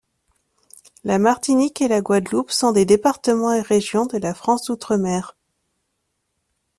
La Martinique et la Guadeloupe sont des départements et régions de la France d’outre-mer.